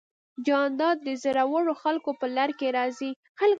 جانداد د زړورو خلکو په لړ کې راځي.